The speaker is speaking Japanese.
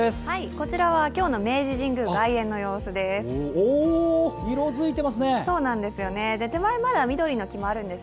こちらは今日の明治神宮外苑の様子です。